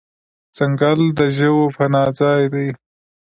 ځنګل د ژوو پناه ځای دی.